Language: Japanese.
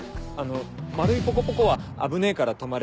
丸いポコポコは「危ねぇから止まれ」